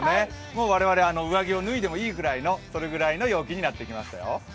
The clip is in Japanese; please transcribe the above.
もう我々、上着を脱いでもいいぐらいの陽気になってきましたよ。